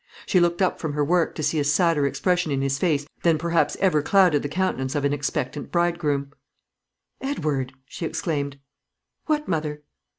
She looked up from her work to see a sadder expression in his face than perhaps ever clouded the countenance of an expectant bridegroom. "Edward!" she exclaimed. "What, mother?"